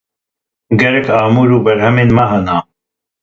Gelek amûr û berhemên me hene.